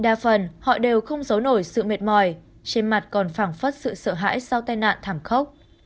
đa phần họ đều không giấu nổi sự mệt mỏi trên mặt còn phản phất sự sợ hãi sau tai nạn thảm khốc